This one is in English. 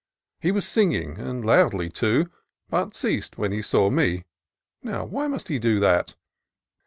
He was sing ing, and loudly, too, but ceased when he saw me. Now, why must he do that?